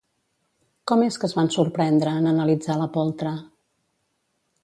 Com és que es van sorprendre en analitzar la poltra?